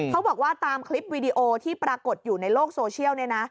เขาบอกว่าตามคลิปวีดีโอที่ปรากฏอยู่ในโลกโซเชียล